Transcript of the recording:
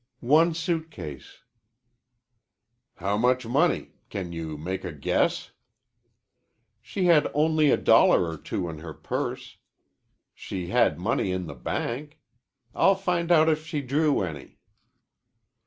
"One suitcase." "How much money? Can you make a guess?" "She had only a dollar or two in her purse. She had money in the bank. I'll find out if she drew any."